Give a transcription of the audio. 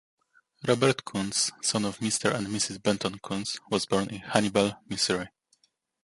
Robert Coontz, son of Mr. and Mrs. Benton Coontz, was born in Hannibal, Missouri.